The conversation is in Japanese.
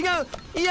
いや！